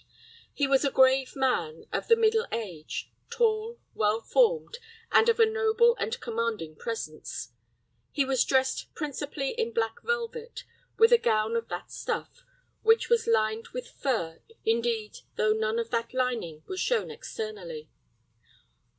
He was a grave man, of the middle age, tall, well formed, and of a noble and commanding presence. He was dressed principally in black velvet, with a gown of that stuff, which was lined with fur, indeed, though none of that lining was shown externally.